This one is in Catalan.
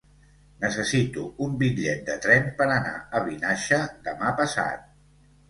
Necessito un bitllet de tren per anar a Vinaixa demà passat.